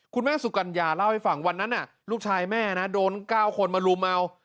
สุกัญญาเล่าให้ฟังวันนั้นลูกชายแม่นะโดน๙คนมารุมเอา